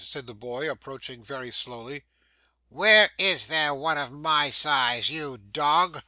said the boy approaching very slowly. 'Where is there one of my size, you dog?